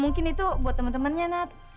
mungkin itu buat temen temennya nak